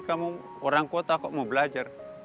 kamu orang kota kok mau belajar